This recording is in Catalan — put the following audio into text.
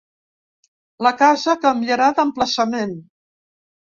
La casa canviarà d’emplaçament.